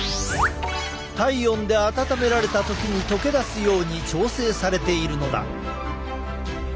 体温で温められた時に溶け出すように調整されているのだ。